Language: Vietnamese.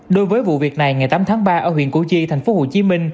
đối với vụ việc này ngày tám tháng ba ở huyện củ chi tp hcm